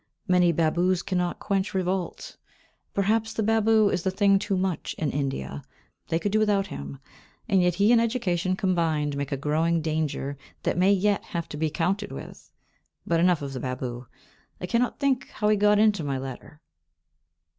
Many babus cannot quench revolt. Perhaps the babu is the "thing too much" in India; they could do without him. And yet he and education, combined, make a growing danger that may yet have to be counted with. But enough of the babu; I cannot think how he got into my letter.